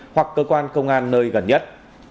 hoặc cơ quan công an nơi gần nhất